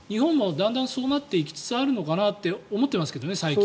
だんだんそうなっていきつつあるのかなって思ってますけどね、最近。